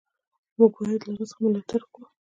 موږ باید له هغه څه ملاتړ وکړو.